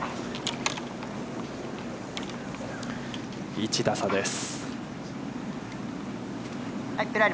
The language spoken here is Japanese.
１打差です。